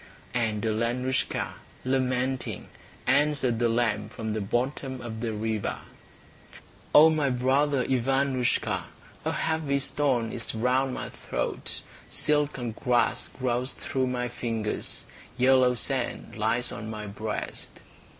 And Alenoushka, lamenting, answered the lamb from the bottom of the river: "O my brother Ivanoushka, A heavy stone is round my throat, Silken grass grows through my fingers, Yellow sand lies on my breast."